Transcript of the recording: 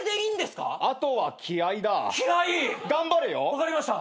分かりました。